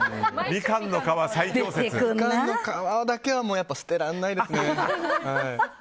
みかんの皮だけは捨てられないですね。